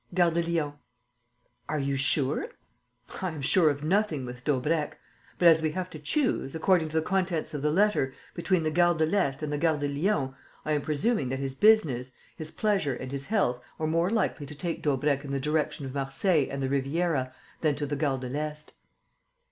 "Gare de Lyon." "Are you sure?" "I am sure of nothing with Daubrecq. But, as we have to choose, according to the contents of the letter, between the Gare de l'Est and the Gare de Lyon, [D] I am presuming that his business, his pleasure and his health are more likely to take Daubrecq in the direction of Marseilles and the Riviera than to the Gare de l'Est."